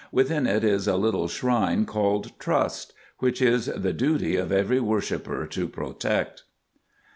Within it is a little shrine called Trust, which it is the duty of every worshipper to protect.